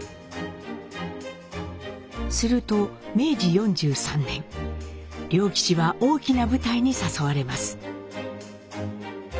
すると明治４３年良吉は大きな舞台に誘われます。